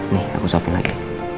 nih aku suapin lagi